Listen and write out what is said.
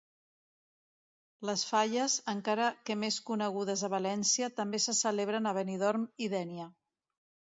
Les Falles, encara que més conegudes a València, també se celebren a Benidorm i Dénia.